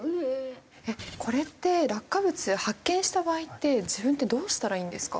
えっこれって落下物発見した場合って自分ってどうしたらいいんですか？